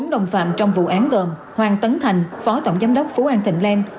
bốn đồng phạm trong vụ án gồm hoàng tấn thành phó tổng giám đốc phú an thịnh lan